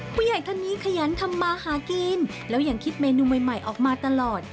ผู้ใหญ่ท่านนี้ขยันทำมาหากินแล้วยังคิดเมนูใหม่ออกมาตลอด